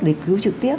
để cứu trực tiếp